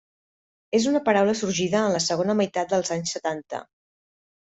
És una paraula sorgida en la segona meitat dels anys setanta.